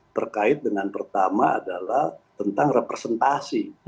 terkait dengan pertama adalah tentang representasi